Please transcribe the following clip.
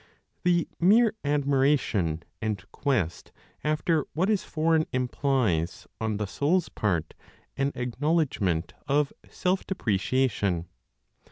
The mere admiration and quest after what is foreign implies, on the soul's part, an acknowledgment of self depreciation.